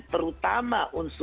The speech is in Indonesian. terutama unsur produk